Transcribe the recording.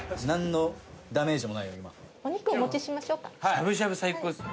しゃぶしゃぶ最高です。